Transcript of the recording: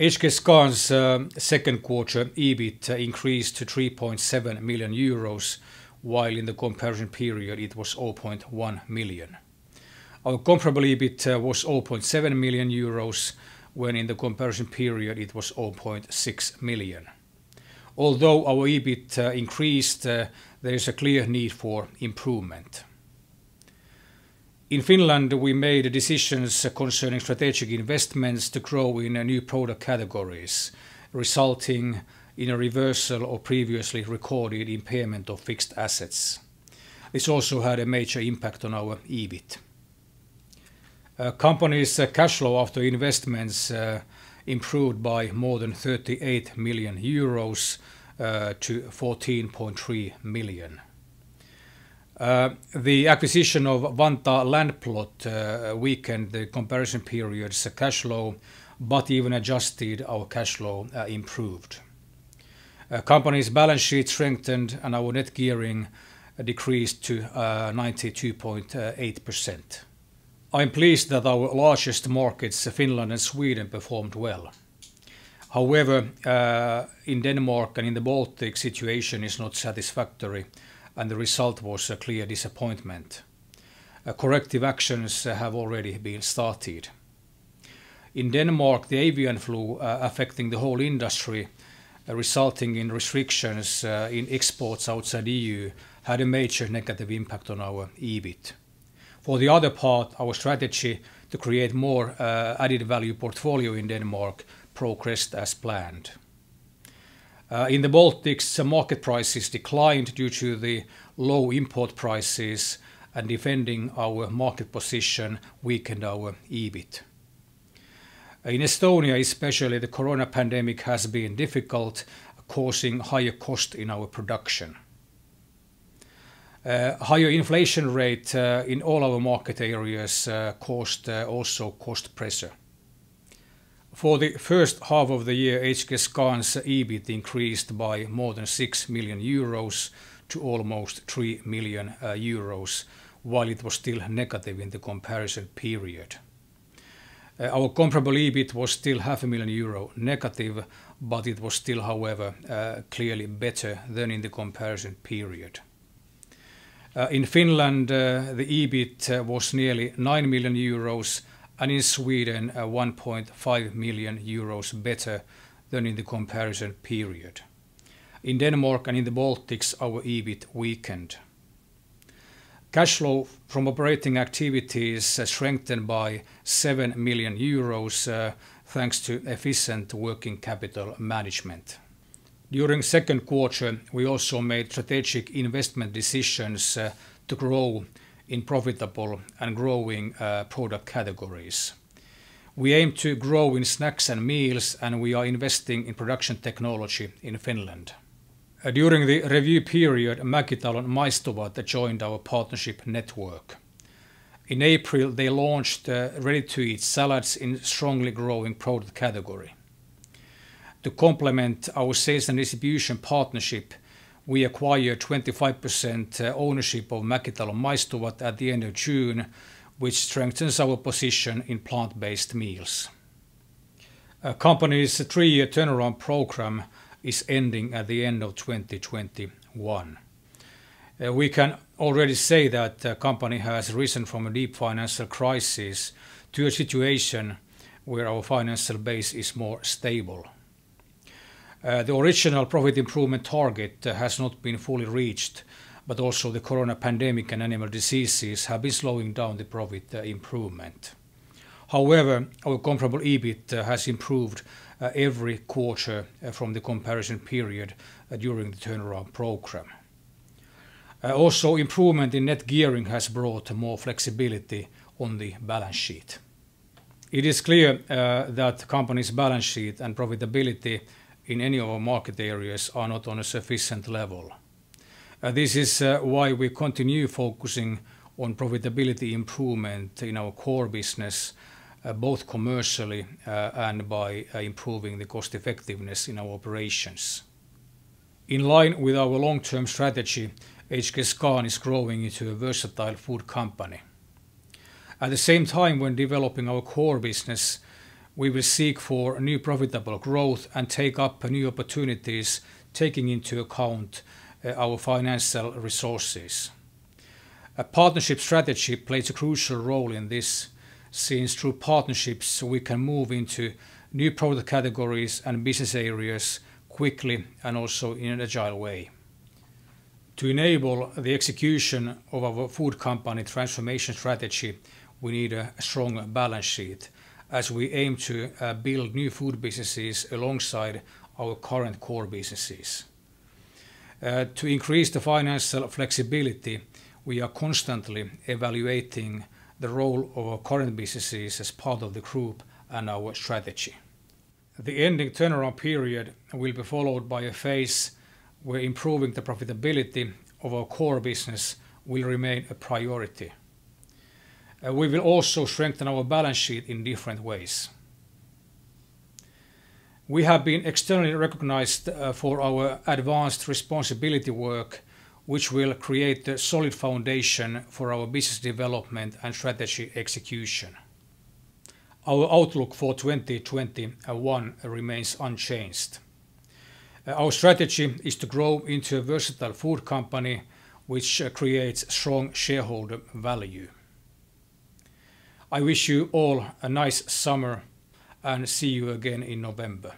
HKScan's second quarter EBIT increased to 3.7 million euros, while in the comparison period it was 0.1 million. Our comparable EBIT was 0.7 million euros, when in the comparison period it was 0.6 million. Although our EBIT increased, there is a clear need for improvement. In Finland, we made decisions concerning strategic investments to grow in new product categories, resulting in a reversal of previously recorded impairment of fixed assets. This also had a major impact on our EBIT. Company's cash flow after investments improved by more than 38 million euros to 14.3 million. The acquisition of Vantaa land plot weakened the comparison period's cash flow, but even adjusted, our cash flow improved. Company's balance sheet strengthened, and our net gearing decreased to 92.8%. I'm pleased that our largest markets, Finland and Sweden, performed well. In Denmark and in the Baltic, situation is not satisfactory, and the result was a clear disappointment. Corrective actions have already been started. In Denmark, the avian flu affecting the whole industry, resulting in restrictions in exports outside EU, had a major negative impact on our EBIT. For the other part, our strategy to create more added value portfolio in Denmark progressed as planned. In the Baltics, market prices declined due to the low import prices, and defending our market position weakened our EBIT. In Estonia especially, the coronavirus pandemic has been difficult, causing higher cost in our production. Higher inflation rate in all our market areas caused also cost pressure. For the first half of the year, HKScan's EBIT increased by more than 6 million euros to almost 3 million euros, while it was still negative in the comparison period. Our comparable EBIT was still half a million EUR negative, it was still, however, clearly better than in the comparison period. In Finland, the EBIT was nearly 9 million euros, and in Sweden, 1.5 million euros better than in the comparison period. In Denmark and in the Baltics, our EBIT weakened. Cash flow from operating activities strengthened by 7 million euros, thanks to efficient working capital management. During second quarter, we also made strategic investment decisions to grow in profitable and growing product categories. We aim to grow in snacks and meals, we are investing in production technology in Finland. During the review period, Mäkitalon Maistuvat joined our partnership network. In April, they launched ready-to-eat salads in strongly growing product category. To complement our sales and distribution partnership, we acquired 25% ownership of Mäkitalon Maistuvat at the end of June, which strengthens our position in plant-based meals. Company's 3-year turnaround program is ending at the end of 2021. We can already say that the company has risen from a deep financial crisis to a situation where our financial base is more stable. The original profit improvement target has not been fully reached, but also the coronavirus pandemic and animal diseases have been slowing down the profit improvement. However, our comparable EBIT has improved every quarter from the comparison period during the turnaround program. Also, improvement in net gearing has brought more flexibility on the balance sheet. It is clear that company's balance sheet and profitability in any of our market areas are not on a sufficient level. This is why we continue focusing on profitability improvement in our core business, both commercially and by improving the cost effectiveness in our operations. In line with our long-term strategy, HKScan is growing into a versatile food company. At the same time, when developing our core business, we will seek for new profitable growth and take up new opportunities, taking into account our financial resources. A partnership strategy plays a crucial role in this, since through partnerships, we can move into new product categories and business areas quickly and also in an agile way. To enable the execution of our food company transformation strategy, we need a strong balance sheet as we aim to build new food businesses alongside our current core businesses. To increase the financial flexibility, we are constantly evaluating the role of our current businesses as part of the group and our strategy. The ending turnaround period will be followed by a phase where improving the profitability of our core business will remain a priority. We will also strengthen our balance sheet in different ways. We have been externally recognized for our advanced responsibility work, which will create a solid foundation for our business development and strategy execution. Our outlook for 2021 remains unchanged. Our strategy is to grow into a versatile food company, which creates strong shareholder value. I wish you all a nice summer and see you again in November.